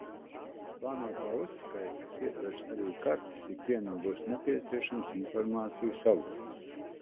Plānotā uzskaite, kas ietvers arī kartes, ikvienam būs nepieciešams informācijas avots.